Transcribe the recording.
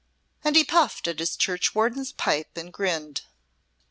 And he puffed at his churchwarden's pipe and grinned.